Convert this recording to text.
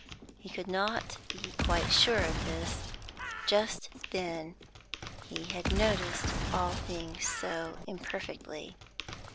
He could not be quite sure of this; just then he had noticed all things so imperfectly.